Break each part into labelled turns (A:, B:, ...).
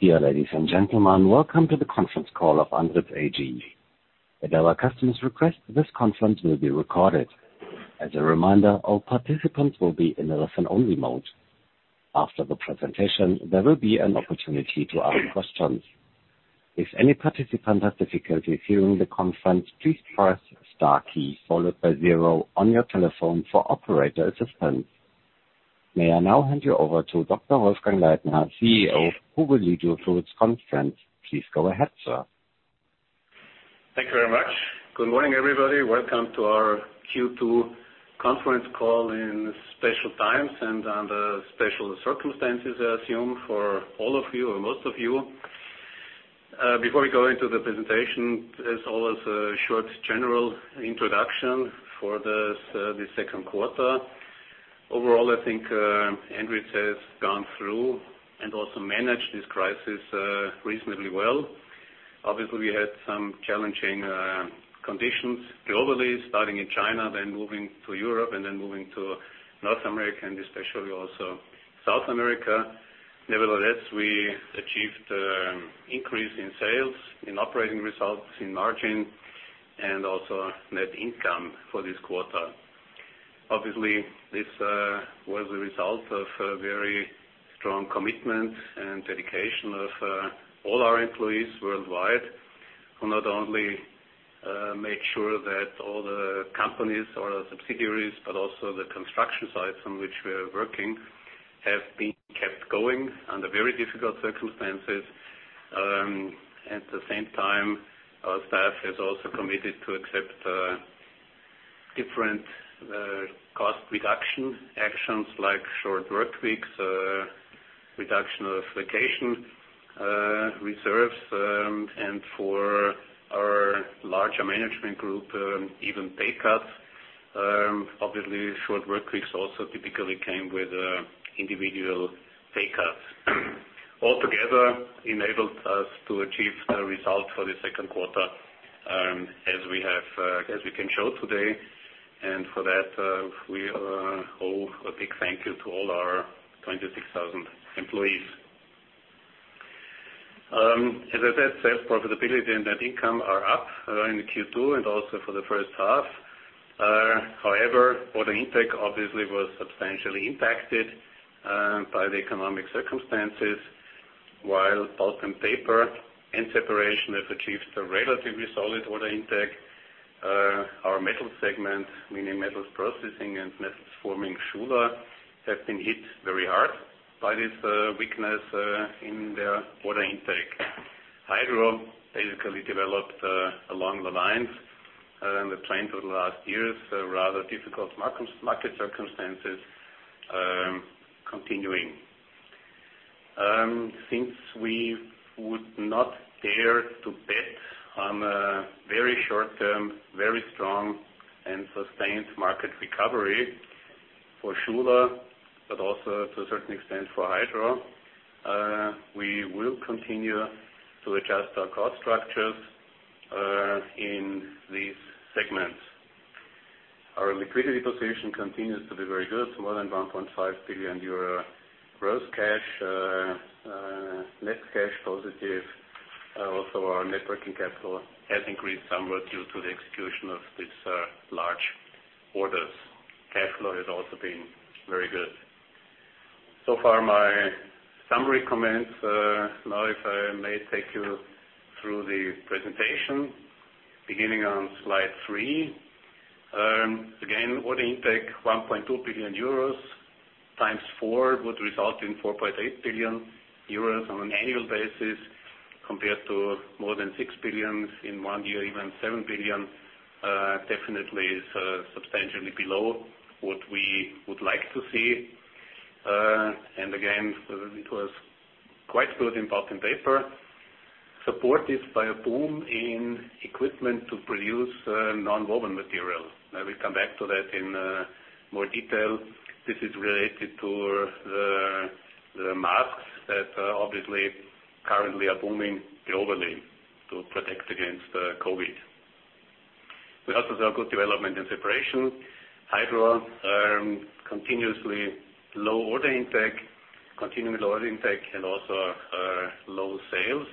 A: Dear ladies and gentlemen. Welcome to the conference call of Andritz AG. At our customers' request, this conference will be recorded. As a reminder, all participants will be in a listen-only mode. After the presentation, there will be an opportunity to ask questions. If any participant has difficulty hearing the conference, please press star key followed by zero on your telephone for operator assistance. May I now hand you over to Dr. Wolfgang Leitner, CEO, who will lead you through this conference. Please go ahead, sir.
B: Thank you very much. Good morning, everybody. Welcome to our Q2 conference call in special times and under special circumstances, I assume, for all of you or most of you. Before we go into the presentation, as always, a short general introduction for the second quarter. Overall, I think Andritz has gone through and also managed this crisis reasonably well. Obviously, we had some challenging conditions globally, starting in China, then moving to Europe, and then moving to North America, and especially also South America. Nevertheless, we achieved increase in sales, in operating results, in margin, and also net income for this quarter. Obviously, this was a result of a very strong commitment and dedication of all our employees worldwide, who not only made sure that all the companies or subsidiaries, but also the construction sites on which we're working, have been kept going under very difficult circumstances. At the same time, our staff has also committed to accept different cost reduction actions like short workweeks, reduction of vacation reserves, and for our larger management group, even pay cuts. Obviously, short workweeks also typically came with individual pay cuts. Altogether enabled us to achieve the result for the second quarter, as we can show today. For that, we owe a big thank you to all our 26,000 employees. As I said, sales profitability and net income are up in Q2 and also for the first half. However, order intake, obviously, was substantially impacted by the economic circumstances. While Pulp & Paper and Separation have achieved a relatively solid order intake, our Metals segment, meaning Metals Processing and Metals Forming, Schuler, have been hit very hard by this weakness in their order intake. Hydro basically developed along the lines and the trend of the last years, rather difficult market circumstances continuing. Since we would not dare to bet on a very short-term, very strong, and sustained market recovery for Schuler, but also to a certain extent for Hydro. We will continue to adjust our cost structures in these segments. Our liquidity position continues to be very good, more than 1.5 billion euro gross cash. Net cash positive. Also, our net working capital has increased somewhat due to the execution of these large orders. Cash flow has also been very good. So far, my summary comments. Now, if I may take you through the presentation, beginning on slide three. Order intake, 1.2 billion euros, times four would result in 4.8 billion euros on an annual basis compared to more than 6 billion in one year, even 7 billion, definitely is substantially below what we would like to see. It was quite good in Pulp & Paper, supported by a boom in equipment to produce nonwovens material. I will come back to that in more detail. This is related to the masks that obviously currently are booming globally to protect against COVID. We also saw good development in Separation. Hydro, continuously low order intake and also low sales.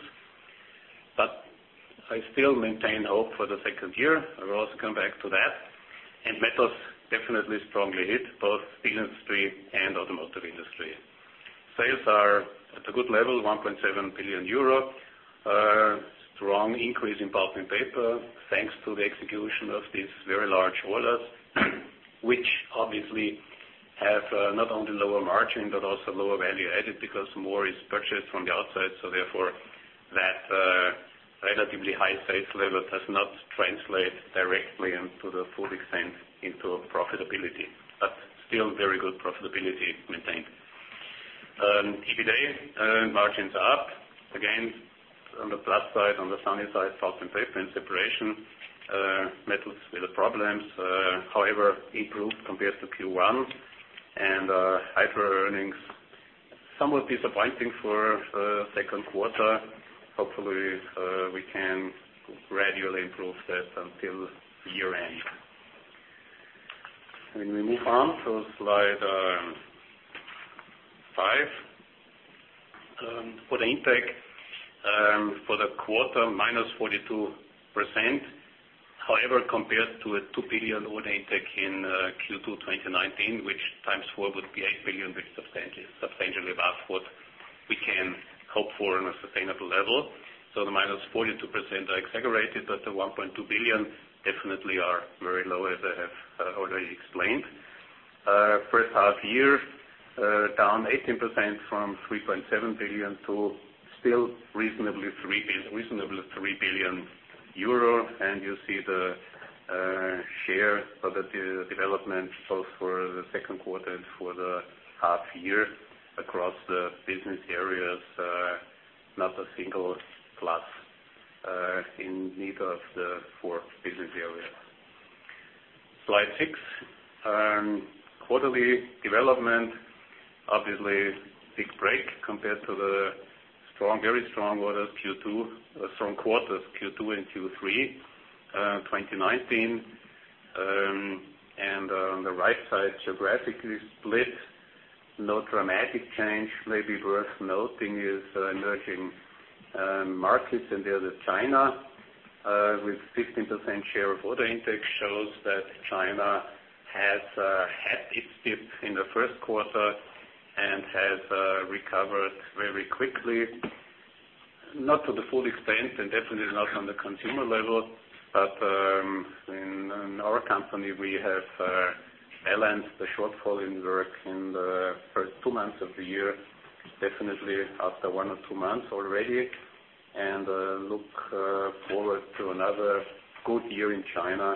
B: I still maintain hope for the second year. I will also come back to that. Metals definitely strongly hit both steel industry and automotive industry. Sales are at a good level, 1.7 billion euro. Strong increase in Pulp & Paper, thanks to the execution of these very large orders, which obviously have not only lower margin, but also lower value added because more is purchased from the outside. That relatively high sales level does not translate directly and to the full extent into profitability. Still very good profitability maintained. EBITDA margins are up. Again, on the plus side, on the sunny side, Pulp & Paper and Separation. Metals with the problems. Improved compared to Q1. Hydro earnings, somewhat disappointing for second quarter. Hopefully, we can gradually improve that until year-end. When we move on to slide five. Order intake for the quarter, -42%. Compared to a 2 billion order intake in Q2 2019, which times four would be 8 billion, which is substantially above what we can hope for on a sustainable level. The minus 42% are exaggerated, but the 1.2 billion definitely are very low, as I have already explained. First half year, down 18% from 3.7 billion to still reasonably 3 billion euro. You see the share of the development both for the second quarter and for the half year across the business areas. Not a single plus in either of the four business areas. Slide six. Quarterly development, obviously big break compared to the very strong orders, strong quarters Q2 and Q3 2019. On the right side, geographically split, no dramatic change. Maybe worth noting is emerging markets, and there is China with 16% share of order intake, shows that China has had its dip in the first quarter and has recovered very quickly. Not to the full extent and definitely not on the consumer level. In our company, we have balanced the shortfall in work in the first two months of the year, definitely after one or two months already, and look forward to another good year in China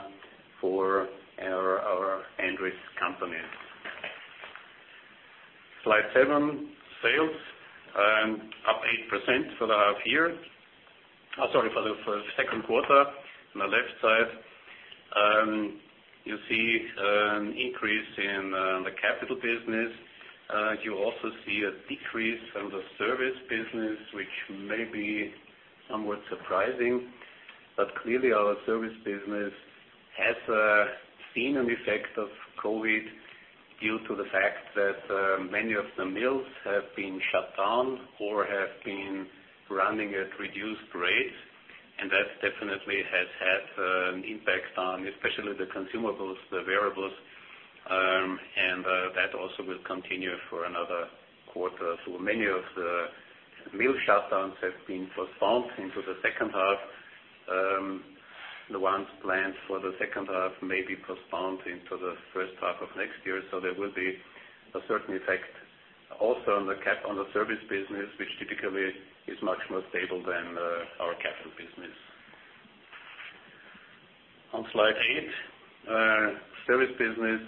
B: for our Andritz company. Slide seven. Sales up 8% for the half year. Sorry, for the second quarter on the left side. You see an increase in the capital business. You also see a decrease in the service business, which may be somewhat surprising. Clearly, our service business has seen an effect of COVID due to the fact that many of the mills have been shut down or have been running at reduced rates. That definitely has had an impact on especially the consumables, the variables, and that also will continue for another quarter. Many of the mill shutdowns have been postponed into the second half. The ones planned for the second half may be postponed into the first half of next year. There will be a certain effect also on the service business, which typically is much more stable than our capital business. On slide eight, service business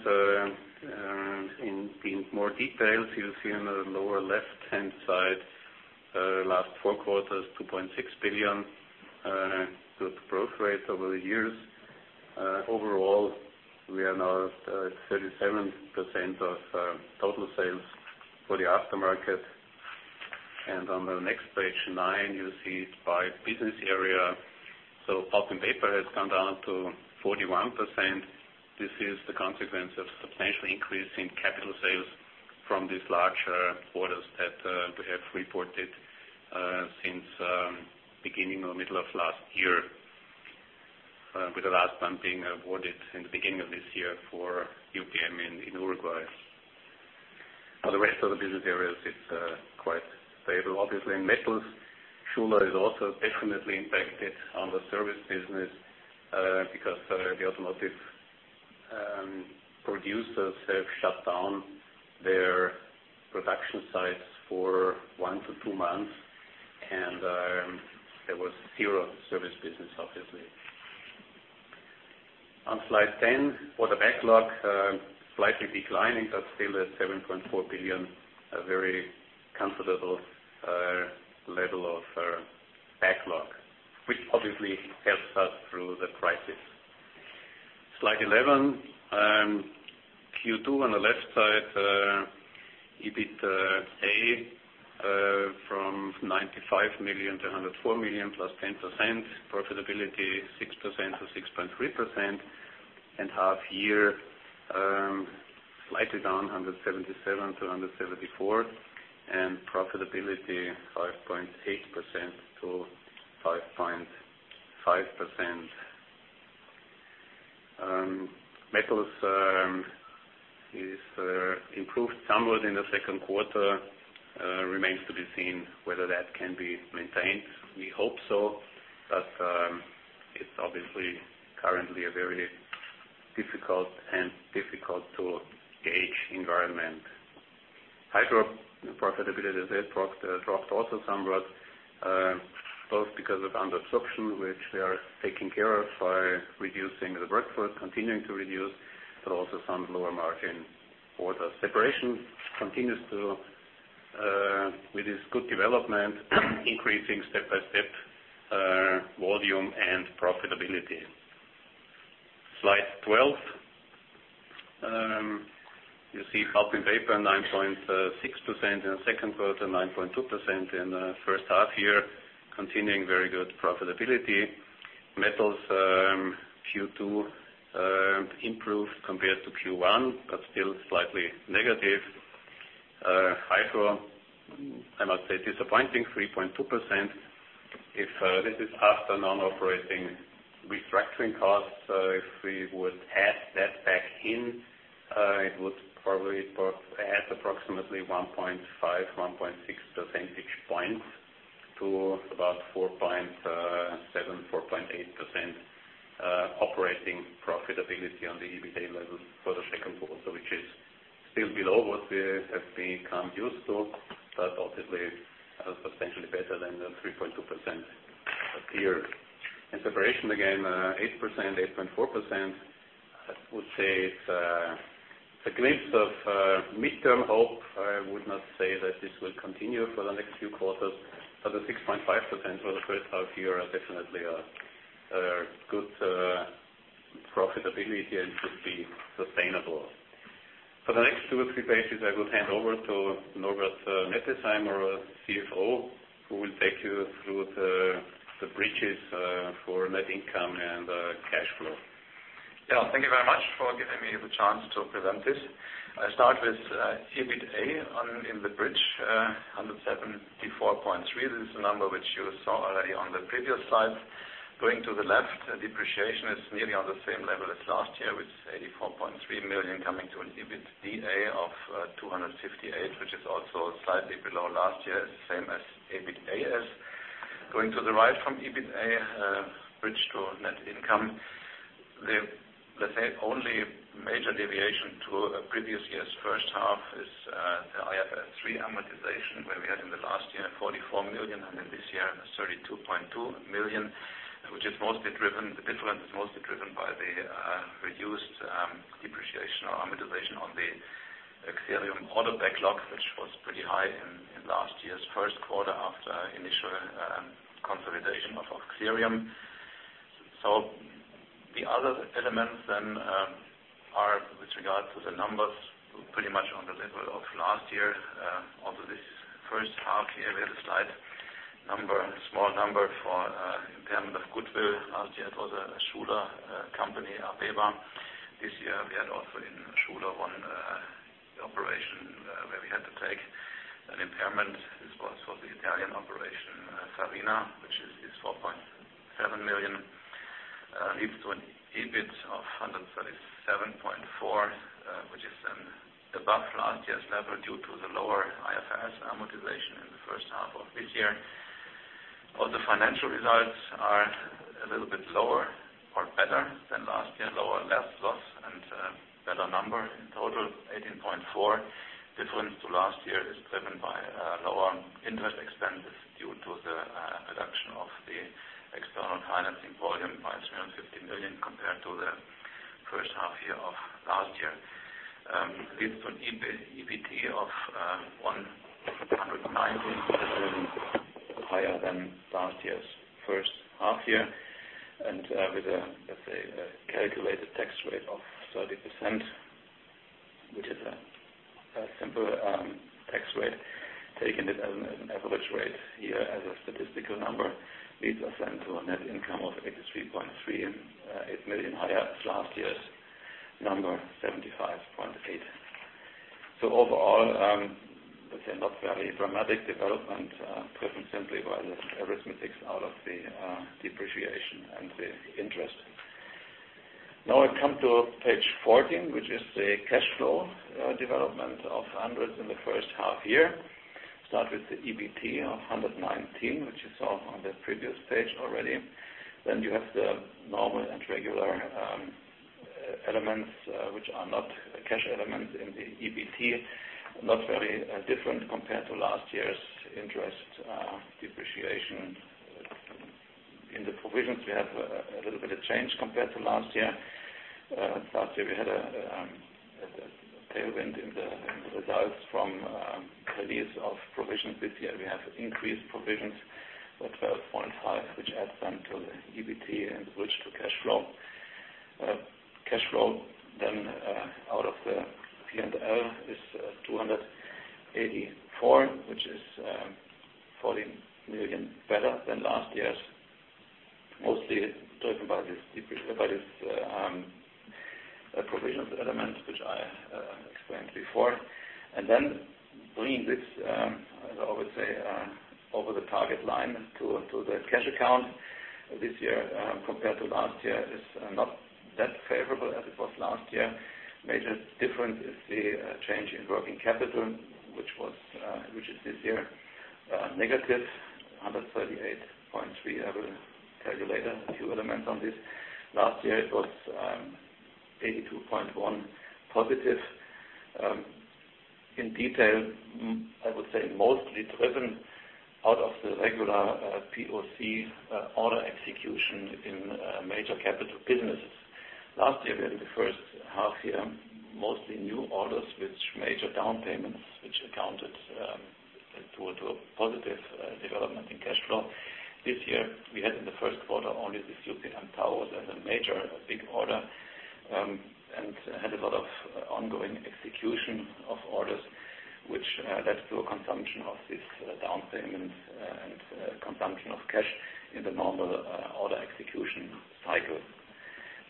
B: in more details. You see on the lower left-hand side, last four quarters, 2.6 billion. Good growth rate over the years. Overall, we are now at 37% of total sales for the aftermarket. On the next page nine, you see it by business area. Pulp & Paper has come down to 41%. This is the consequence of substantial increase in capital sales from these larger orders that we have reported since beginning or middle of last year. With the last one being awarded in the beginning of this year for UPM in Uruguay. For the rest of the business areas, it's quite stable. In Metals, Schuler is also definitely impacted on the service business, because the automotive producers have shut down their production sites for one to two months, and there was zero service business, obviously. On slide 10, order backlog slightly declining, but still at 7.4 billion, a very comfortable level of backlog, which obviously helps us through the crisis. Slide 11. Q2 on the left side. EBITA from 95 million to 104 million, plus 10%. Profitability, 6% to 6.3%. Half year, slightly down, 177 to 174. Profitability, 5.8% to 5.5%. Metals is improved somewhat in the second quarter. Remains to be seen whether that can be maintained. We hope so, but it's obviously currently a very difficult and difficult-to-gauge environment. Hydro profitability has dropped also somewhat, both because of under absorption, which they are taking care of by reducing the work force, continuing to reduce. Also some lower margin. Separation continues to, with this good development, increasing step by step volume and profitability. Slide 12. You see Pulp & Paper 9.6% in the second quarter, 9.2% in the first half year, continuing very good profitability. Metals Q2 improved compared to Q1. Still slightly negative. Hydro, I must say, disappointing 3.2%. This is after non-operating restructuring costs. If we would add that back in, it would probably add approximately 1.5, 1.6 percentage points to about 4.7, 4.8% operating profitability on the EBITA levels for the second quarter, which is still below what we have become used to. Obviously substantially better than the 3.2% here. Separation again, 8%, 8.4%. I would say it's a glimpse of midterm hope. I would not say that this will continue for the next few quarters, but the 6.5% for the first half year are definitely a good profitability and should be sustainable. For the next two or three pages, I will hand over to Norbert Nettesheim, our CFO, who will take you through the bridges for net income and cash flow.
C: Thank you very much for giving me the chance to present this. I start with EBITA in the bridge, 174.3 million. This is the number which you saw already on the previous slide. Going to the left, depreciation is nearly on the same level as last year, with 84.3 million coming to an EBITDA of 258 million, which is also slightly below last year, same as EBITA. Going to the right from EBITA, bridge to net income. Let's say, only major deviation to previous year's first half is the IFRS 3 amortization, where we had in the last year 44 million and in this year 32.2 million. The difference is mostly driven by the reduced depreciation or amortization on the Xerium order backlog, which was pretty high in last year's first quarter after initial consolidation of Xerium. The other elements then are, with regard to the numbers, pretty much on the level of last year. Also this first half year, we had a slight small number for impairment of goodwill. Last year, it was a Schuler, AWEBA. This year, we had also in Schuler one operation where we had to take an impairment. This was for the Italian operation, Sovema, which is 4.7 million. Leads to an EBIT of 137.4, which is then above last year's level due to the lower IFRS amortization in the first half of this year. Other financial results are a little bit lower or better than last year. Lower net loss and better number. In total, 18.4. Difference to last year is driven by lower interest expenses due to the reduction of the external financing volume by 350 million compared to the first half year of last year. Leads to an EBT of 119, which is higher than last year's first half year with a, let's say, calculated tax rate of 30%, which is a simple tax rate, taking it as an average rate here as a statistical number. Leads us to a net income of 83.38 million, higher than last year's number, 75.8. Overall, let's say, not very dramatic development, driven simply by the arithmetics out of the depreciation and the interest. I come to page 14, which is the cash flow development of Andritz in the first half year. Start with the EBT of 119, which you saw on the previous page already. You have the normal and regular elements, which are not cash elements in the EBT. Not very different compared to last year's interest depreciation. In the provisions, we have a little bit of change compared to last year. Last year, we had a tailwind in the results from release of provisions. This year, we have increased provisions of 12.5, which adds then to the EBT and which to cash flow. Cash flow out of the P&L is 284, which is 14 million better than last year's, mostly driven by this provisions element, which I explained before. Bringing this, I would say, over the target line to the cash account this year compared to last year is not that favorable as it was last year. Major difference is the change in working capital, which is this year negative 138.3. I will tell you later a few elements on this. Last year, it was 82.1 positive. In detail, I would say mostly driven out of the regular POC order execution in major capital businesses. Last year, we had in the first half year, mostly new orders with major down payments, which accounted to a positive development in cash flow. This year, we had in the first quarter only this UPM Paso de los Toros as a major, big order, and had a lot of ongoing execution of orders, which led to a consumption of this down payment and consumption of cash in the normal order execution cycle.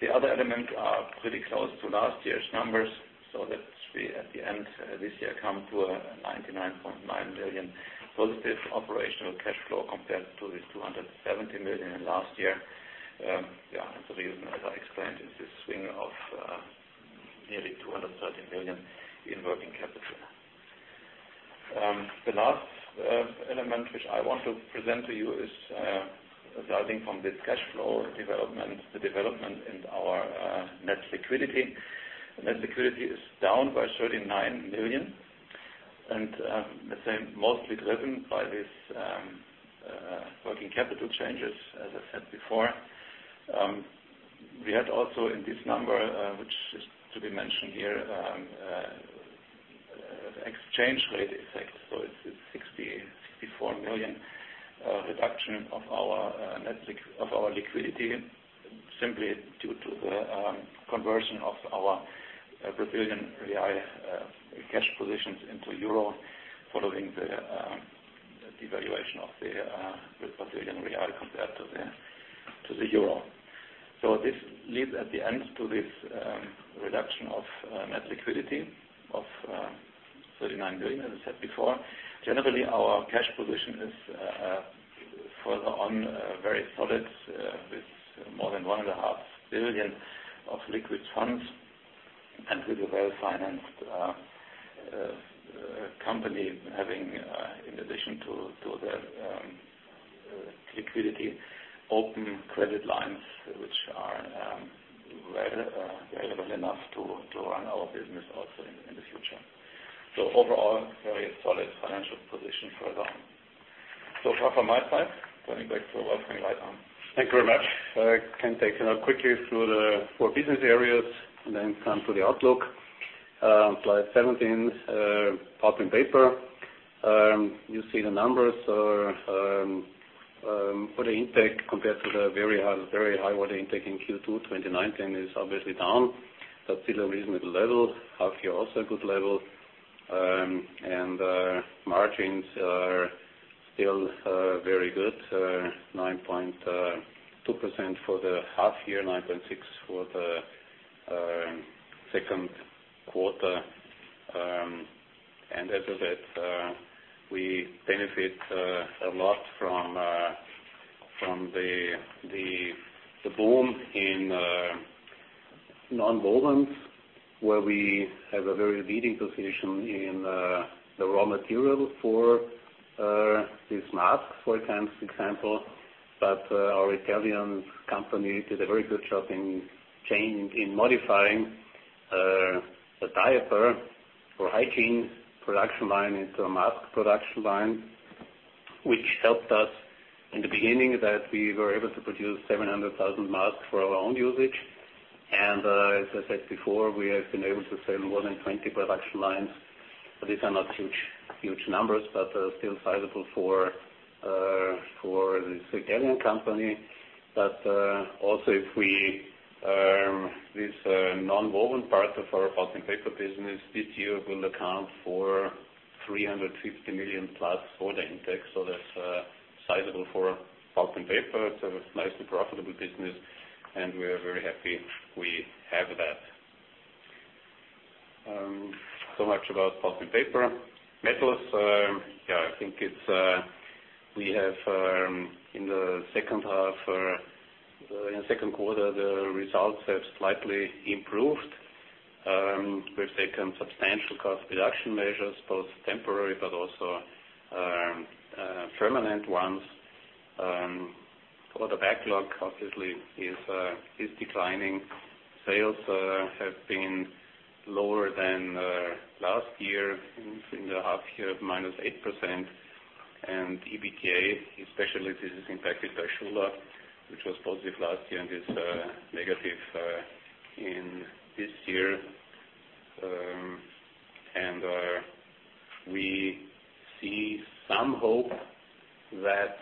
C: The other element are pretty close to last year's numbers, that we, at the end this year, come to a 99.9 million positive operational cash flow compared to the 270 million in last year. The reason, as I explained, is this swing of nearly 230 million in working capital. The last element which I want to present to you is, resulting from this cash flow development, the development in our net liquidity. Net liquidity is down by 39 million. The same, mostly driven by these working capital changes, as I said before. We had also in this number, which is to be mentioned here, exchange rate effect. It's a 64 million reduction of our liquidity, simply due to the conversion of our Brazilian real cash positions into EUR following the devaluation of the Brazilian real compared to the EUR. This leads, at the end, to this reduction of net liquidity of 39 million, as I said before. Generally, our cash position is further on very solid, with more than $1.5 billion of liquid funds and with a well-financed company having, in addition to the liquidity, open credit lines, which are available enough to run our business also in the future. Overall, very solid financial position for now. Far from my side, turning back to Wolfgang Leitner.
B: Thank you very much. I can take you now quickly through the four business areas and then come to the outlook. Slide 17, Pulp & Paper. You see the numbers. Order intake compared to the very high order intake in Q2 2019 is obviously down, but still a reasonable level. Half year, also good level. Margins are still very good. 9.2% for the half year, 9.6% for the second quarter. As I said, we benefit a lot from the boom in nonwovens, where we have a very leading position in the raw material for these masks, for example. Our Italian company did a very good job in modifying a diaper or hygiene production line into a mask production line, which helped us in the beginning that we were able to produce 700,000 masks for our own usage. As I said before, we have been able to sell more than 20 production lines. These are not huge numbers, but still sizable for this Italian company. This nonwoven part of our Pulp & Paper business this year will account for 350 million plus order intake. That's sizable for Pulp & Paper. It's a nicely profitable business, and we are very happy we have that. Much about Pulp & Paper. Metals. I think we have in the second quarter, the results have slightly improved. We've taken substantial cost reduction measures, both temporary but also permanent ones. Order backlog, obviously, is declining. Sales have been lower than last year in the half year of -8%. EBITDA, especially this is impacted by Schuler, which was positive last year and is negative in this year. We see some hope that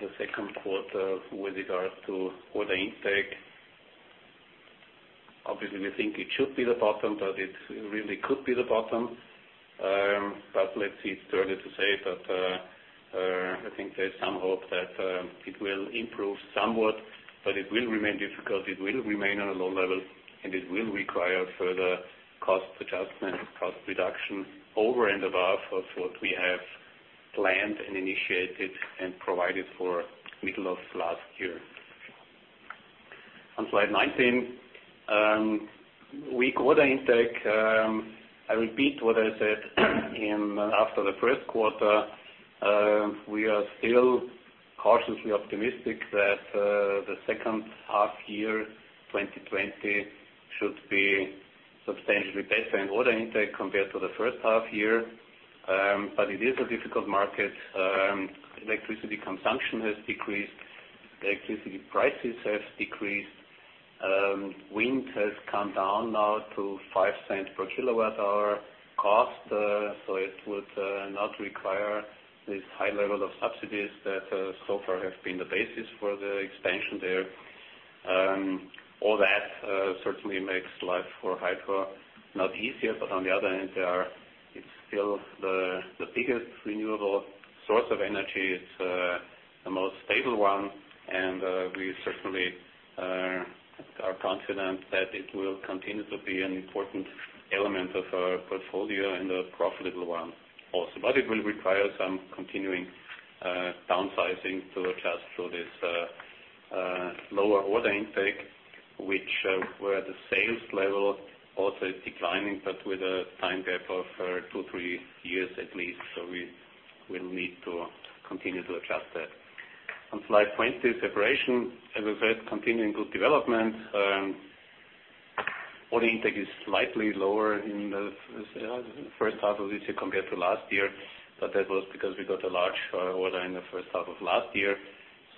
B: the second quarter with regards to order intake. Obviously, we think it should be the bottom, that it really could be the bottom. Let's see. It's too early to say, but I think there is some hope that it will improve somewhat. It will remain difficult, it will remain on a low level, and it will require further cost adjustment, cost reduction over and above of what we have planned and initiated and provided for middle of last year. On slide 19. We got an intake. I repeat what I said after the first quarter. We are still cautiously optimistic that the second half year 2020 should be substantially better in order intake compared to the first half year. It is a difficult market. Electricity consumption has decreased. Electricity prices have decreased. Wind has come down now to 0.05 per kilowatt hour cost. It would not require this high level of subsidies that so far have been the basis for the expansion there. All that certainly makes life for Hydro not easier. On the other hand, it's still the biggest renewable source of energy. It's the most stable one. We certainly are confident that it will continue to be an important element of our portfolio and a profitable one also. It will require some continuing downsizing to adjust to this lower order intake, where the sales level also is declining, but with a time gap of two, three years at least. We will need to continue to adjust that. On slide 20, Separation, as I said, continuing good development. Order intake is slightly lower in the first half of this year compared to last year, but that was because we got a large order in the first half of last year.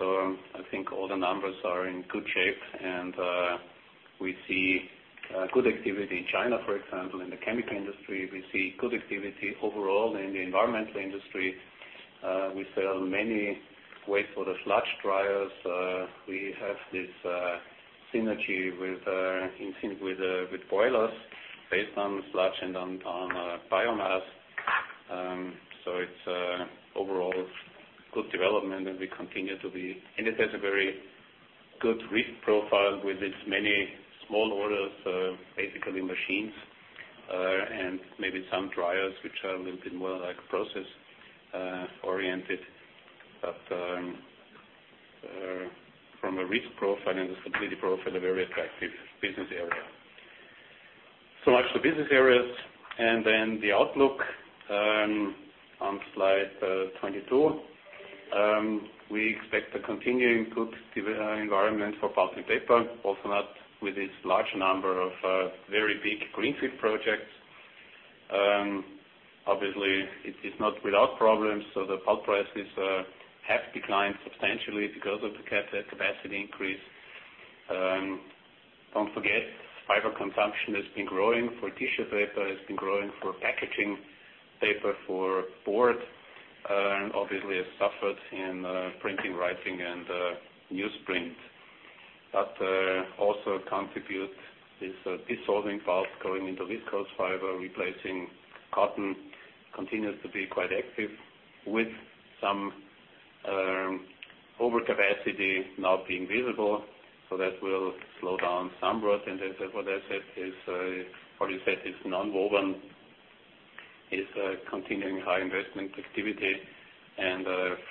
B: I think all the numbers are in good shape, and we see good activity in China, for example, in the chemical industry. We see good activity overall in the environmental industry. We sell many wastewater sludge dryers. We have this synergy in sync with boilers based on sludge and on biomass. It's overall good development, and it has a very good risk profile with its many small orders, basically machines, and maybe some dryers, which are a little bit more process-oriented. From a risk profile and a stability profile, a very attractive business area. Much for business areas. Then the outlook on slide 22. We expect a continuing good environment for Pulp & Paper, also not with this large number of very big Greenfield projects. Obviously, it is not without problems, so the pulp prices have declined substantially because of the capacity increase. Don't forget, fiber consumption has been growing for tissue paper, has been growing for packaging paper for board, and obviously has suffered in printing, writing, and newsprint. Also contribute this dissolving pulp going into viscose fiber, replacing cotton continues to be quite active with some overcapacity now being visible. That will slow down some growth. As I said, nonwovens is continuing high investment activity.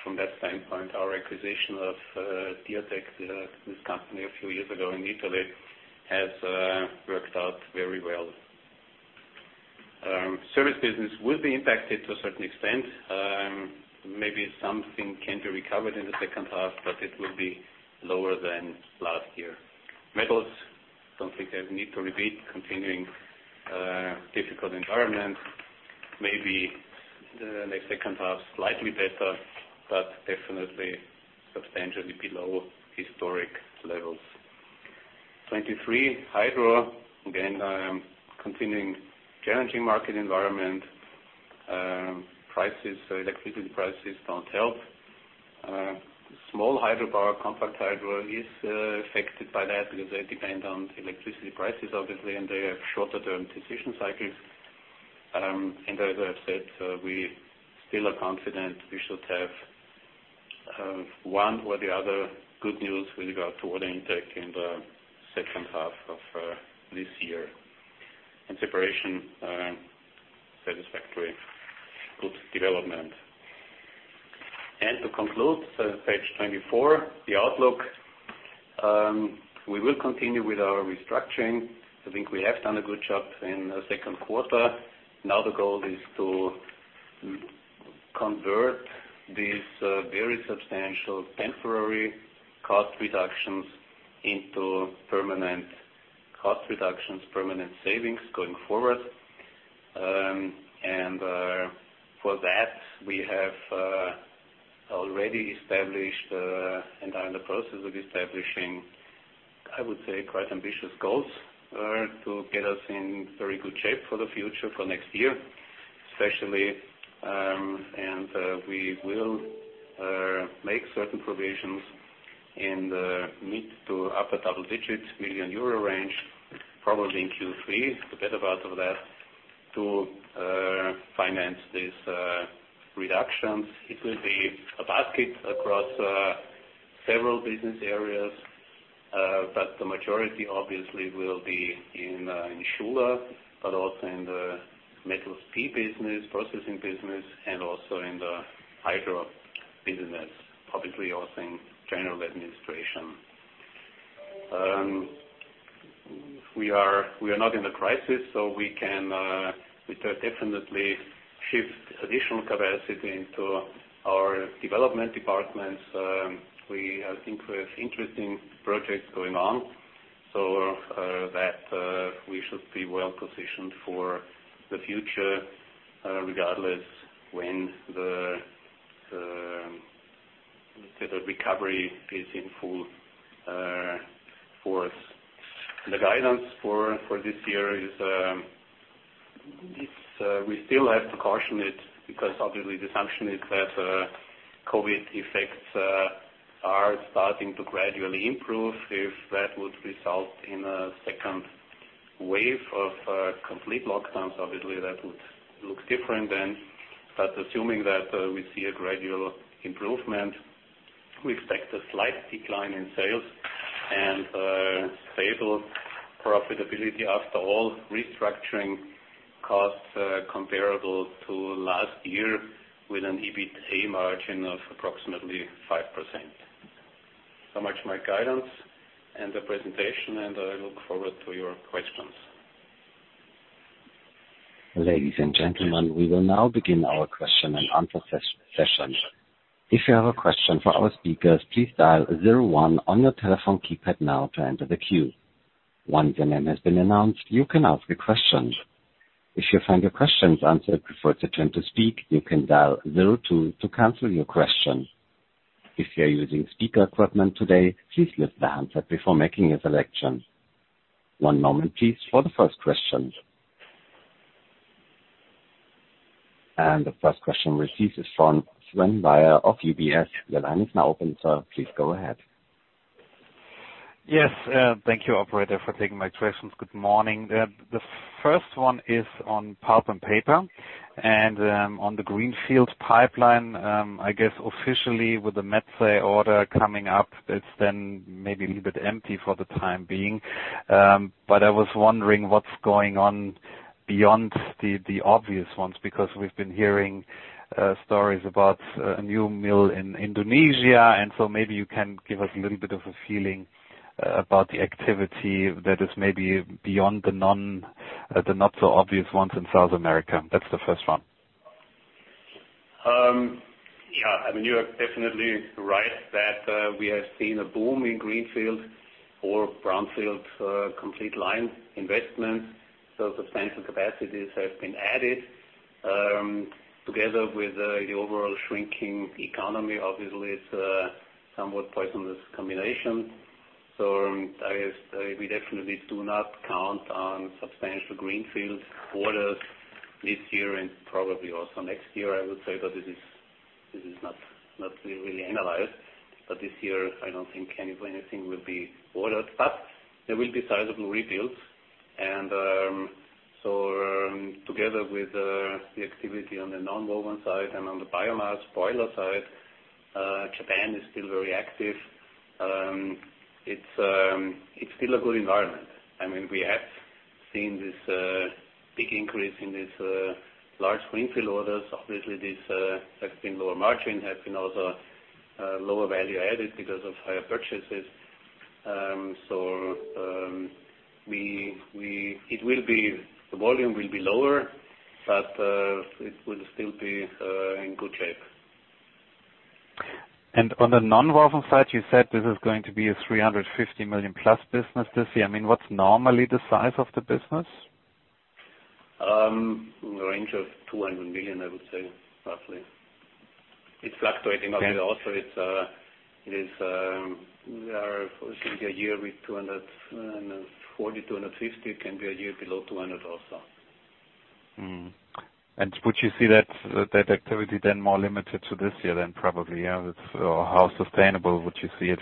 B: From that standpoint, our acquisition of Diatec, this company a few years ago in Italy, has worked out very well. Service business will be impacted to a certain extent. Maybe something can be recovered in the second half, but it will be lower than last year. Metals, don't think I need to repeat. Continuing difficult environment. Maybe in the second half, slightly better, but definitely substantially below historic levels. 23, Hydro. Again, continuing challenging market environment. Electricity prices don't help. Small hydro power, Compact Hydro, is affected by that because they depend on electricity prices, obviously, and they have shorter-term decision cycles. As I said, we still are confident we should have one or the other good news with regard to order intake in the second half of this year. Separation, satisfactory. Good development. To conclude, page 24, the outlook. We will continue with our restructuring. I think we have done a good job in the second quarter. Now the goal is to convert these very substantial temporary cost reductions into permanent cost reductions, permanent savings going forward. For that, we have already established and are in the process of establishing, I would say, quite ambitious goals to get us in very good shape for the future, for next year, especially. We will make certain provisions in the mid to upper double-digit million EUR range, probably in Q3, the better part of that, to finance these reductions. It will be a basket across several business areas. The majority obviously will be in Schuler, but also in the Metals Processing business, and also in the Hydro business, probably also in general administration. We are not in a crisis, we can definitely shift additional capacity into our development departments. I think we have interesting projects going on, so that we should be well-positioned for the future, regardless when the recovery is in full force. The guidance for this year is, we still have to caution it, because obviously the assumption is that COVID effects are starting to gradually improve. If that would result in a second wave of complete lockdowns, obviously that would look different then. Assuming that we see a gradual improvement, we expect a slight decline in sales and stable profitability after all restructuring costs comparable to last year with an EBITA margin of approximately 5%. Much my guidance and the presentation, and I look forward to your questions.
A: Ladies and gentlemen, we will now begin our question and answer session. If you have a question for our speakers, please dial zero one on your telephone keypad now to enter the queue. Once your name has been announced, you can ask your question. If you find your question's answered before it's your turn to speak, you can dial zero two to cancel your question. If you are using speaker equipment today, please lift the handset before making a selection. One moment please for the first question. The first question received is from Sven Weier of UBS. Your line is now open, sir. Please go ahead.
D: Yes. Thank you, operator, for taking my questions. Good morning. The first one is on Pulp & Paper and on the Greenfield pipeline. I guess officially with the Metso order coming up, it's then maybe a little bit empty for the time being. I was wondering what's going on beyond the obvious ones, because we've been hearing stories about a new mill in Indonesia, maybe you can give us a little bit of a feeling about the activity that is maybe beyond the not so obvious ones in South America. That's the first one.
B: Yeah. You are definitely right that we have seen a boom in Greenfield or Brownfield complete line investments. Substantial capacities have been added, together with the overall shrinking economy. Obviously, it's a somewhat poisonous combination. I guess we definitely do not count on substantial Greenfield orders this year and probably also next year, I would say. This is not really analyzed. This year, I don't think anything will be ordered. There will be sizable rebuilds. Together with the activity on the nonwoven side and on the biomass boiler side, Japan is still very active. It's still a good environment. We have seen this big increase in these large Greenfield orders. Obviously, this has been lower margin, has been also lower value added because of higher purchases. The volume will be lower, but it will still be in good shape.
D: On the nonwoven side, you said this is going to be a 350 million plus business this year. What's normally the size of the business?
B: A range of 200 million, I would say, roughly. It's fluctuating also.
D: Okay.
B: There can be a year with 240, 250. It can be a year below 200 also.
D: Would you see that activity then more limited to this year then, probably, yeah? How sustainable would you see it?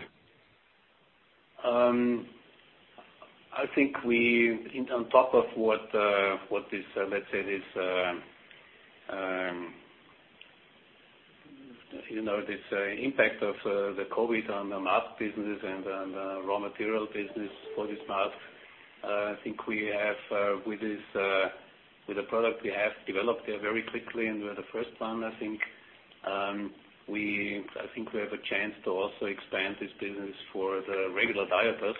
B: I think on top of what is, let's say, this impact of the COVID on the mask business and on the raw material business for this mask. I think with the product we have developed there very quickly, and we're the first one, I think. I think we have a chance to also expand this business for the regular diapers,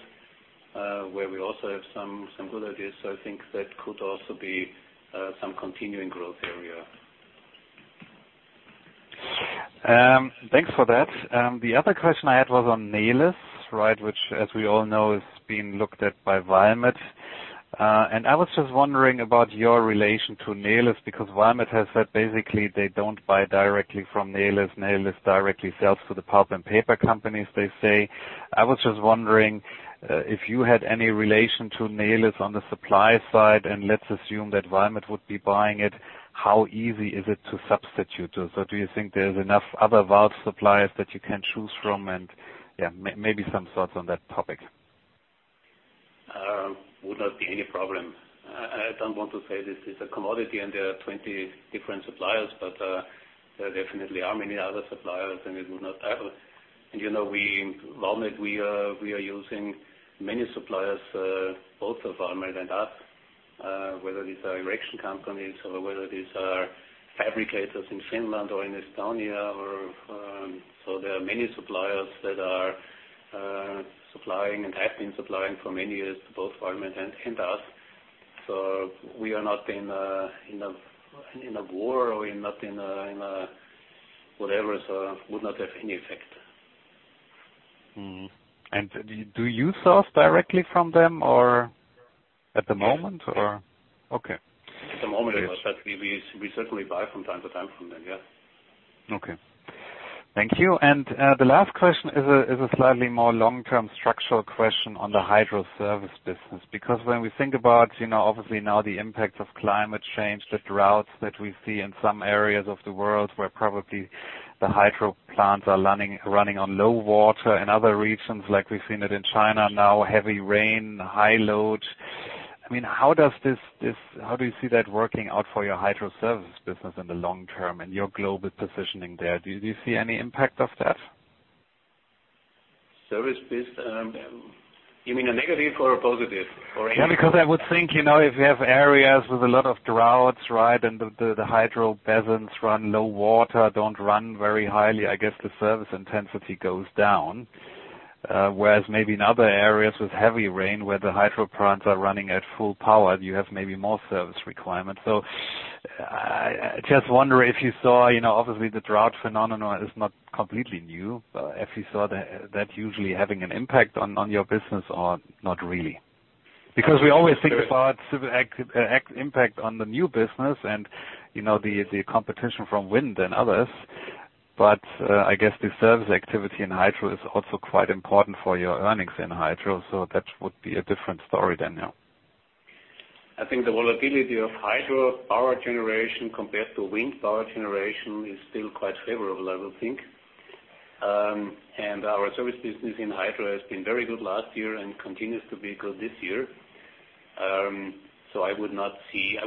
B: where we also have some good ideas. I think that could also be some continuing growth area.
D: Thanks for that. The other question I had was on Neles. Which, as we all know, is being looked at by Valmet. I was just wondering about your relation to Neles, because Valmet has said basically they don't buy directly from Neles. Neles directly sells to the Pulp & Paper companies, they say. I was just wondering if you had any relation to Neles on the supply side, and let's assume that Valmet would be buying it. How easy is it to substitute? Do you think there's enough other valve suppliers that you can choose from? Yeah, maybe some thoughts on that topic.
B: Would not be any problem. I don't want to say this is a commodity and there are 20 different suppliers, but there definitely are many other suppliers, and it would not happen. In Valmet, we are using many suppliers, both of Valmet and us. Whether these are erection companies or whether these are fabricators in Finland or in Estonia. There are many suppliers that are supplying and have been supplying for many years to both Valmet and us. We are not in a war, or we're not in whatever, would not have any effect.
D: Mm-hmm. Do you source directly from them at the moment or?
B: Yes.
D: Okay.
B: At the moment it was, but we certainly buy from time to time from them, yeah.
D: Okay. Thank you. The last question is a slightly more long-term structural question on the Hydro service business. When we think about, obviously now the impact of climate change, the droughts that we see in some areas of the world where probably the Hydro plants are running on low water. In other regions, like we've seen it in China now, heavy rain, high load. How do you see that working out for your Hydro service business in the long term and your global positioning there? Do you see any impact of that?
B: Service-based, you mean a negative or a positive?
D: Because I would think, if you have areas with a lot of droughts, right, and the Hydro basins run low water, don't run very highly, I guess the service intensity goes down. Whereas maybe in other areas with heavy rain where the Hydro plants are running at full power, you have maybe more service requirements. I just wonder if you saw, obviously the drought phenomenon is not completely new, but if you saw that usually having an impact on your business or not really. Because we always think about impact on the new business and the competition from wind and others. I guess the service activity in Hydro is also quite important for your earnings in Hydro, so that would be a different story then now.
B: I think the volatility of Hydro power generation compared to wind power generation is still quite favorable, I would think. Our service business in Hydro has been very good last year and continues to be good this year. I would not see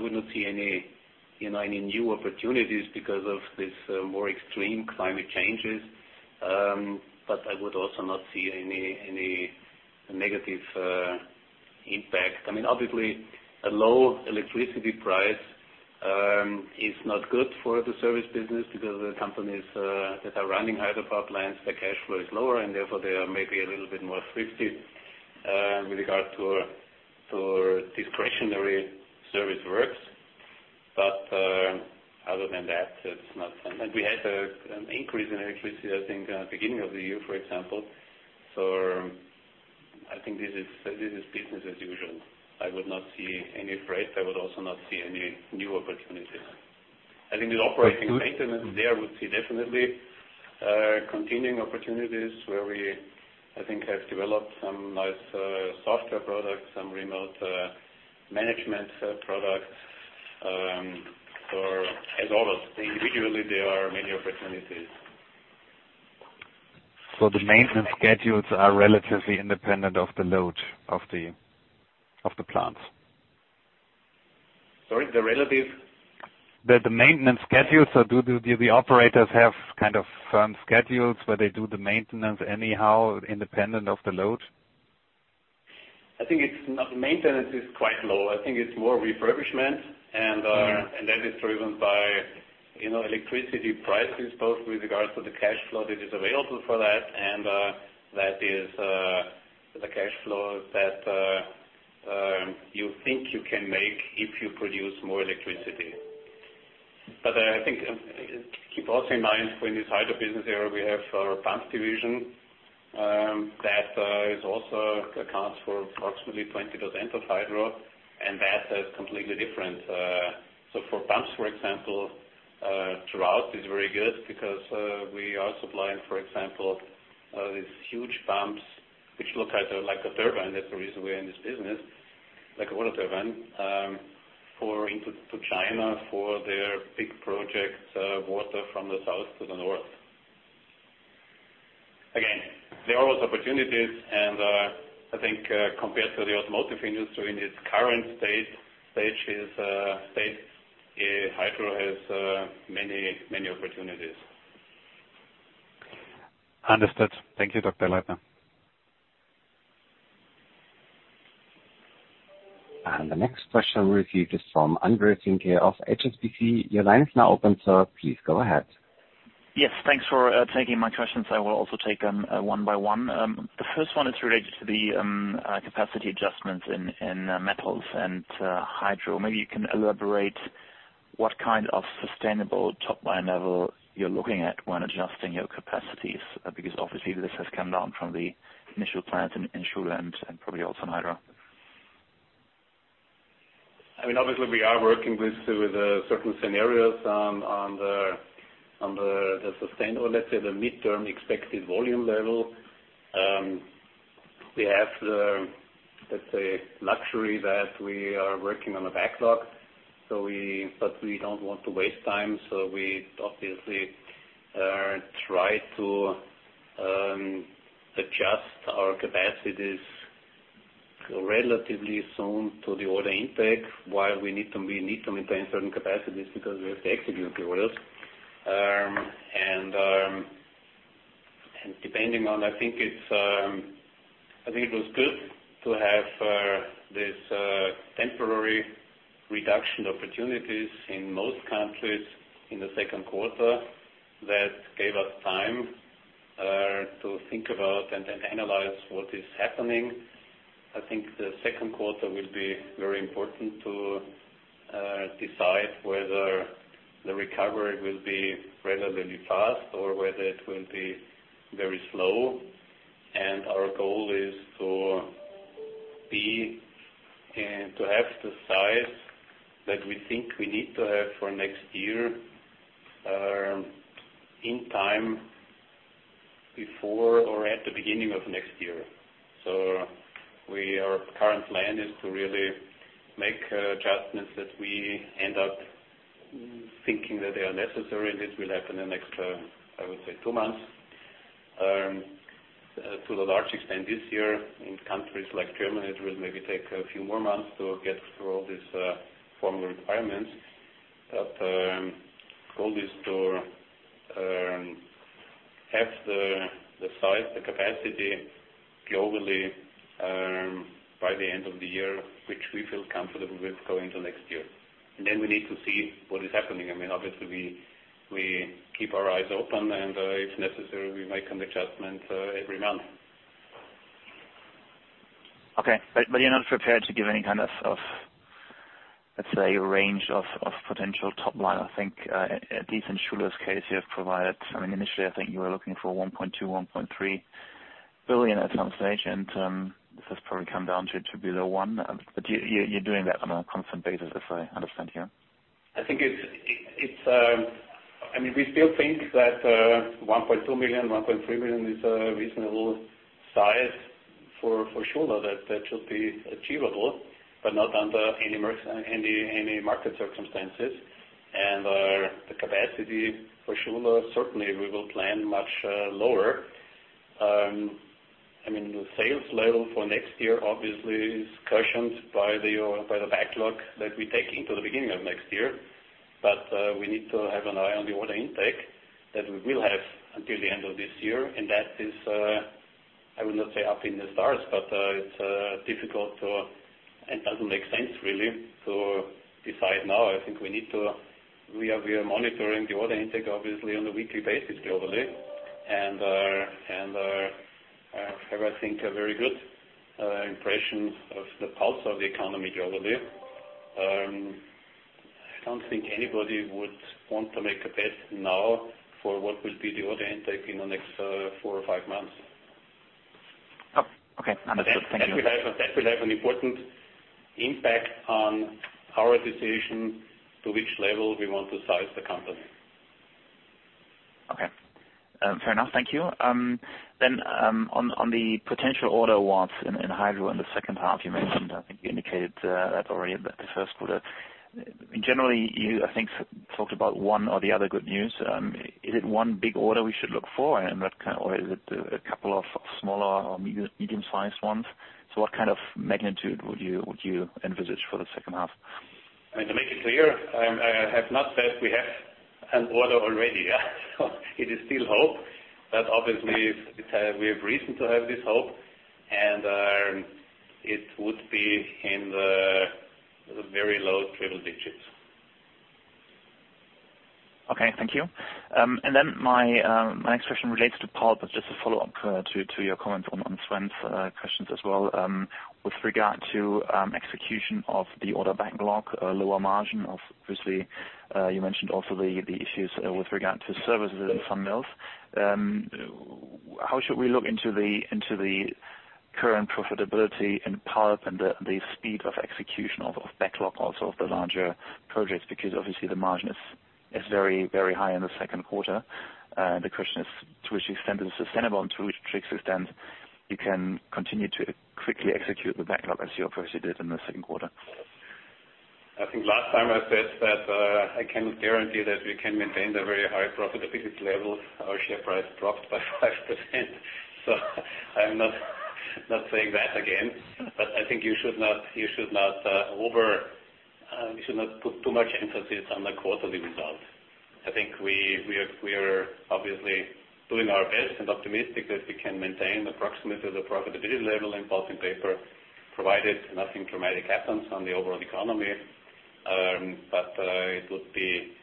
B: any new opportunities because of these more extreme climate changes. I would also not see any negative impact. Obviously, a low electricity price is not good for the service business because the companies that are running Hydro power plants, their cash flow is lower and therefore they are maybe a little bit more thrifty, with regard to discretionary service works. Other than that, we had an increase in electricity, I think, beginning of the year, for example. I think this is business as usual. I would not see any threat. I would also not see any new opportunities. I think the operating maintenance there would see definitely continuing opportunities where we, I think, have developed some nice software products, some remote management products. As always, individually, there are many opportunities.
D: The maintenance schedules are relatively independent of the load of the plants?
B: Sorry, the relative?
D: The maintenance schedules. Do the operators have firm schedules where they do the maintenance anyhow, independent of the load?
B: Maintenance is quite low. It's more refurbishment and that is driven by electricity prices, both with regards to the cash flow that is available for that and that is the cash flow that you think you can make if you produce more electricity. Keep also in mind for this Hydro business area, we have our pumps division, that also accounts for approximately 20% of Hydro, and that is completely different. For pumps, for example, drought is very good because we are supplying, for example, these huge pumps, which look like a turbine, that's the reason we are in this business, like a water turbine, into China for their big projects, water from the south to the north. Again, there are always opportunities and compared to the automotive industry in its current state, Hydro has many opportunities.
D: Understood. Thank you, Dr. Leitner.
A: The next question we receive is from Andreas Ring of HSBC. Your line is now open, sir. Please go ahead.
E: Yes, thanks for taking my questions. I will also take them one by one. The first one is related to the capacity adjustments in Metals and Hydro. Maybe you can elaborate what kind of sustainable top-line level you're looking at when adjusting your capacities. Obviously this has come down from the initial plans in Schuler and probably also in Hydro.
B: Obviously we are working with certain scenarios on the midterm expected volume level. We have the, let's say, luxury that we are working on a backlog. We don't want to waste time, so we obviously try to adjust our capacities relatively soon to the order intake, while we need to maintain certain capacities because we have to execute the orders. Depending on, I think it was good to have these temporary reduction opportunities in most countries in the second quarter that gave us time to think aboutAnalyze what is happening. I think the second quarter will be very important to decide whether the recovery will be relatively fast or whether it will be very slow. Our goal is to have the size that we think we need to have for next year, in time before or at the beginning of next year. Our current plan is to really make adjustments that we end up thinking that they are necessary, and this will happen in the next, I would say two months. To a large extent this year in countries like Germany, it will maybe take a few more months to get through all these formal requirements. Goal is to have the size, the capacity globally, by the end of the year, which we feel comfortable with going to next year. We need to see what is happening. Obviously, we keep our eyes open and if necessary, we make an adjustment every month.
E: Okay. You're not prepared to give any kind of, let's say, range of potential top line. I think, at least in Schuler's case, you have provided initially, I think you were looking for 1.2 billion, 1.3 billion at some stage, and this has probably come down to below one. You're doing that on a constant basis, as I understand, yeah?
B: We still think that 1.2 million, 1.3 million is a reasonable size for Schuler. That should be achievable, but not under any market circumstances. The capacity for Schuler, certainly we will plan much lower. The sales level for next year obviously is cushioned by the backlog that we take into the beginning of next year. We need to have an eye on the order intake that we will have until the end of this year. That is, I would not say up in the stars, but it's difficult to, and doesn't make sense really, to decide now. I think we are monitoring the order intake, obviously, on a weekly basis globally. Have, I think, a very good impression of the pulse of the economy globally. I don't think anybody would want to make a bet now for what will be the order intake in the next four or five months.
E: Oh, okay. Understood. Thank you.
B: That will have an important impact on our decision to which level we want to size the company.
E: Okay. Fair enough. Thank you. On the potential order awards in Hydro in the second half, you mentioned, I think you indicated that already in the first quarter. Generally, you, I think, talked about one or the other good news. Is it one big order we should look for or is it a couple of smaller or medium-sized ones? What kind of magnitude would you envisage for the second half?
B: To make it clear, I have not said we have an order already. It is still hope, but obviously, we have reason to have this hope. It would be in the very low triple digits.
E: Okay. Thank you. My next question relates to pulp, but just a follow-up to your comments on Sven's questions as well. With regard to execution of the order backlog, lower margin, obviously, you mentioned also the issues with regard to services in some mills. How should we look into the current profitability in pulp and the speed of execution of backlog also of the larger projects? Obviously the margin is very high in the second quarter. The question is to which extent is it sustainable and to which extent you can continue to quickly execute the backlog as you obviously did in the second quarter.
B: I think last time I said that I cannot guarantee that we can maintain the very high profitability levels. Our share price dropped by 5%. I'm not saying that again. I think you should not put too much emphasis on the quarterly results. I think we are obviously doing our best and optimistic that we can maintain approximately the profitability level in Pulp & Paper, provided nothing dramatic happens on the overall economy. It would be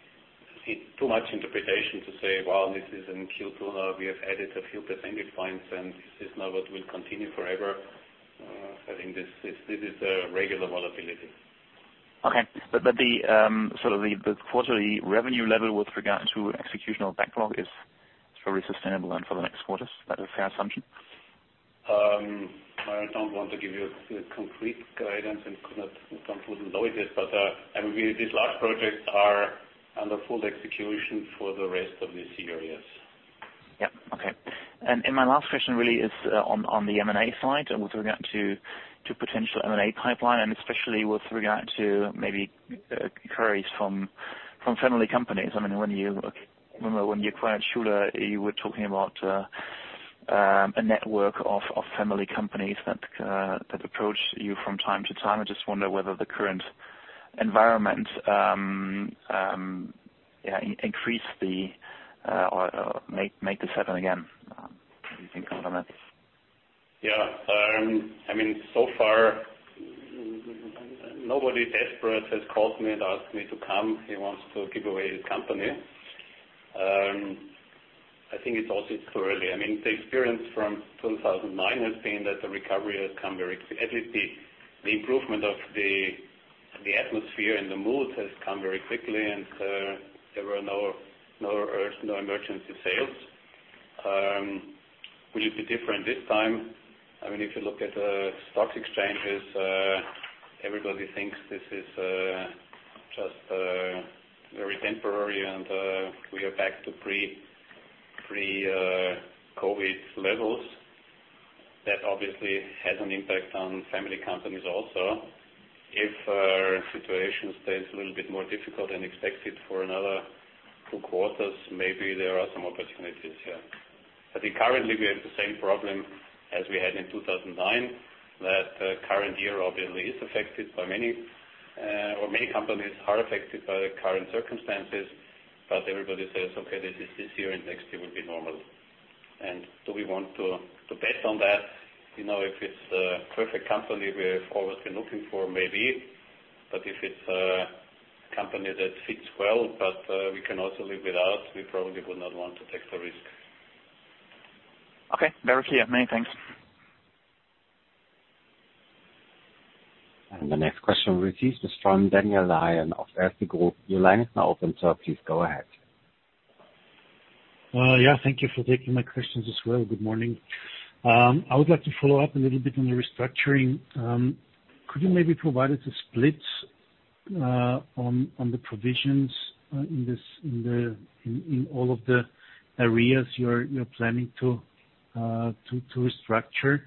B: too much interpretation to say, well, this is in Q2 now, we have added a few percentage points, and this is now what will continue forever. I think this is a regular volatility.
E: Okay. The quarterly revenue level with regard to executional backlog is very sustainable then for the next quarters. Is that a fair assumption?
B: I don't want to give you complete guidance and wouldn't know it yet. These large projects are under full execution for the rest of this year, yes.
E: Yep. Okay. My last question really is on the M&A side and with regard to potential M&A pipeline, and especially with regard to maybe queries from family companies. I mean, when you acquired Schuler, you were talking about a network of family companies that approach you from time to time. I just wonder whether the current environment increased or make this happen again. What do you think on that?
B: So far, nobody desperate has called me and asked me to come, he wants to give away his company. I think it's also too early. The experience from 2009 has been that the recovery has come very quickly, at least the improvement of the atmosphere and the mood, and there were no emergency sales. Will it be different this time? If you look at stock exchanges, everybody thinks this is just very temporary and we are back to pre-COVID levels. That obviously has an impact on family companies also. If our situation stays a little bit more difficult than expected for another two quarters, maybe there are some opportunities here. I think currently we have the same problem as we had in 2009, that many companies are affected by the current circumstances. Everybody says, "Okay, this is this year, and next year will be normal." Do we want to bet on that? If it's a perfect company we have always been looking for, maybe. If it's a company that fits well, but we can also live without, we probably would not want to take the risk.
E: Okay. Very clear. Many thanks.
A: The next question we receive is from Daniel Lion of Erste Group. Your line is now open, sir, please go ahead.
F: Thank you for taking my questions as well. Good morning. I would like to follow up a little bit on the restructuring. Could you maybe provide us a split on the provisions in all of the areas you're planning to restructure?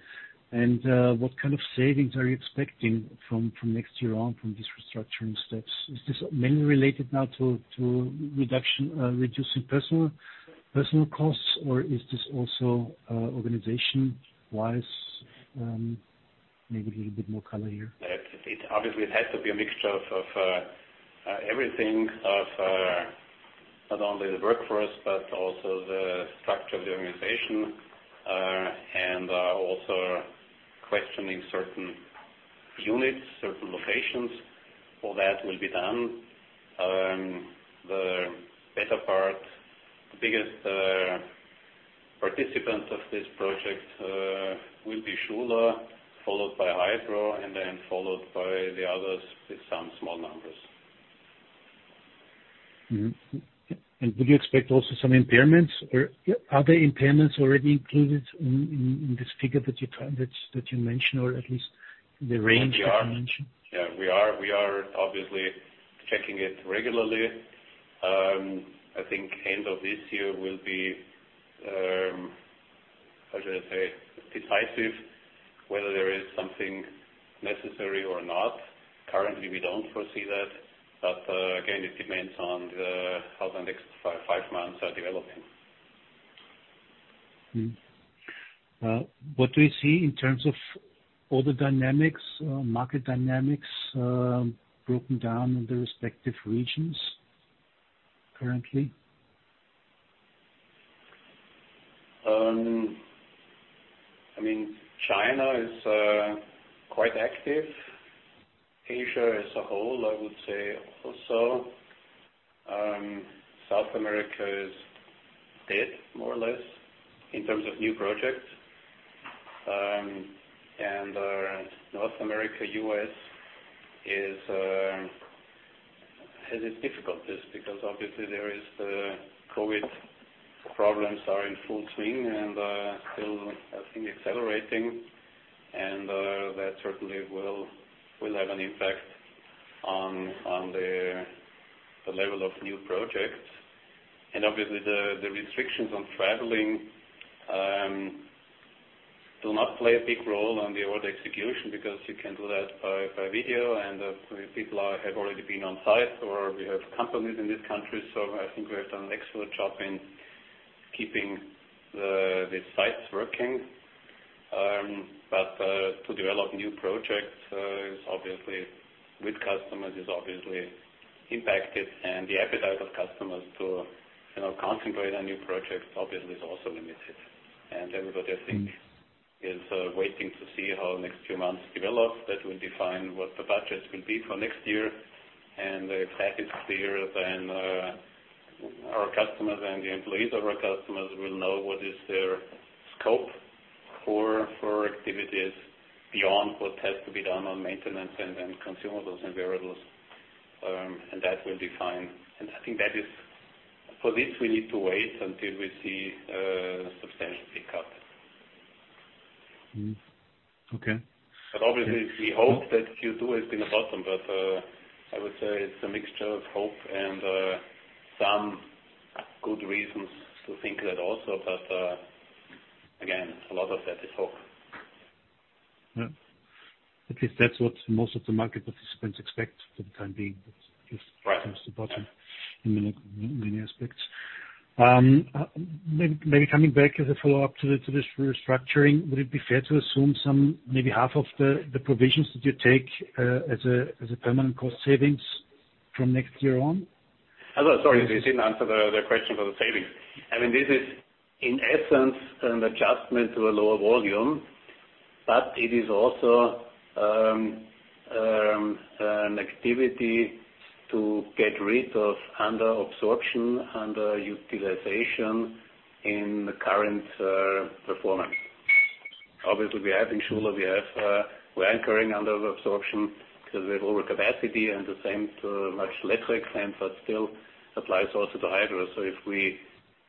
F: What kind of savings are you expecting from next year on from these restructuring steps? Is this mainly related now to reducing personal costs, or is this also organization-wise? Maybe a little bit more color here.
B: Obviously, it has to be a mixture of everything. Of not only the workforce, but also the structure of the organization, and also questioning certain units, certain locations. All that will be done. The better part, the biggest participant of this project will be Schuler, followed by Hydro, and then followed by the others with some small numbers.
F: Do you expect also some impairments, or are the impairments already included in this figure that you mentioned, or at least the range that you mentioned?
B: Yeah. We are obviously checking it regularly. I think end of this year will be, how should I say, decisive whether there is something necessary or not. Currently, we don't foresee that. Again, it depends on how the next five months are developing.
F: Mm-hmm. What do we see in terms of order dynamics, market dynamics, broken down in the respective regions currently?
B: China is quite active. Asia as a whole, I would say also. South America is dead more or less in terms of new projects. North America, U.S., has its difficulties because obviously there is the COVID problems are in full swing and still, I think, accelerating. That certainly will have an impact on the level of new projects. Obviously the restrictions on traveling do not play a big role on the order execution because you can do that by video and people have already been on site or we have companies in this country. I think we have done an excellent job in keeping the sites working. To develop new projects with customers is obviously impacted and the appetite of customers to concentrate on new projects obviously is also limited. Everybody, I think, is waiting to see how next two months develop. That will define what the budgets will be for next year. If that is clear, our customers and the employees of our customers will know what is their scope for activities beyond what has to be done on maintenance and consumables and variables. I think for this, we need to wait until we see a substantial pickup.
F: Mm-hmm. Okay.
B: Obviously we hope that Q2 has been the bottom, but I would say it's a mixture of hope and some good reasons to think that also. Again, a lot of that is hope.
F: Yeah. At least that's what most of the market participants expect for the time being.
B: Right.
F: This seems the bottom in many aspects. Maybe coming back as a follow-up to this restructuring. Would it be fair to assume some, maybe half of the provisions that you take as a permanent cost savings from next year on?
B: Sorry, we didn't answer the question for the savings. This is, in essence, an adjustment to a lower volume. It is also an activity to get rid of under absorption, under utilization in the current performance. Obviously, we have in Schuler, we are incurring under absorption because we have lower capacity and the same to a much lesser extent, but still applies also to Hydro.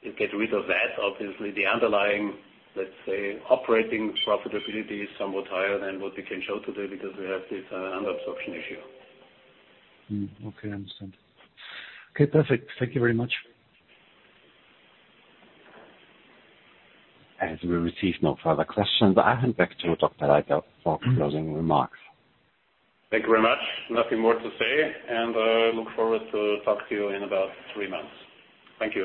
B: If we get rid of that, obviously the underlying, let's say, operating profitability is somewhat higher than what we can show today because we have this under absorption issue.
F: Mm-hmm. Okay. I understand. Okay, perfect. Thank you very much.
A: As we receive no further questions, I hand back to Dr. Leitner for closing remarks.
B: Thank you very much. Nothing more to say. Look forward to talk to you in about three months. Thank you.